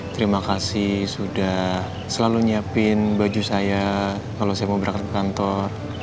terima kasih sudah selalu nyiapin baju saya kalau saya mau berangkat ke kantor